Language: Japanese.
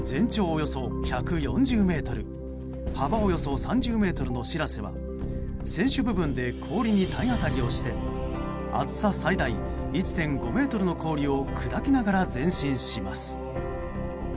およそ３０ｍの「しらせ」は船首部分で氷に体当たりをして厚さ最大１．５ｍの氷を砕きながら前進します。